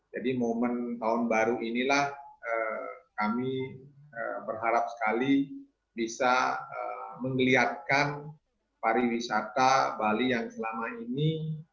jadi momen tahun baru inilah kami berharap sekali bisa mengeliatkan pariwisata bali yang selama ini